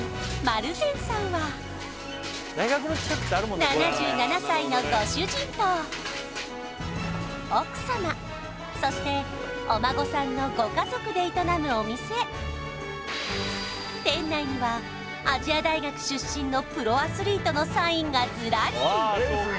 丸善さんは７７歳のご主人と奥様そしてお孫さんのご家族で営むお店店内には亜細亜大学出身のプロアスリートのサインがずらり！